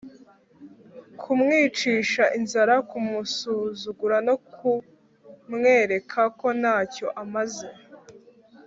kumwicisha inzara, kumusuzugura no kumwereka ko ntacyo amaze